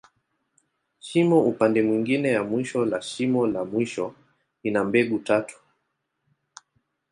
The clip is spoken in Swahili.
Shimo upande mwingine ya mwisho la shimo la mwisho, ina mbegu tatu.